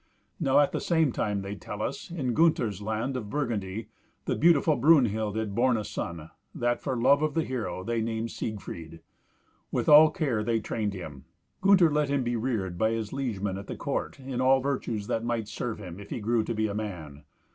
Now at the same time, they tell us, in Gunther's land of Burgundy, the beautiful Brunhild had borne a son, that, for love of the hero, they named Siegfried. With all care they trained him. Gunther let him be reared by his liegemen at the court in all virtues that might serve him if he grew to be a man.